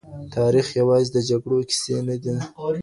تاريخ يوازې د جګړو کيسې نه دي.